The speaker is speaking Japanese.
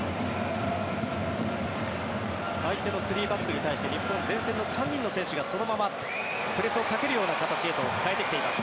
相手の３バックに対して日本は前線の３人の選手がそのままプレスをかけるような形へと変えてきています。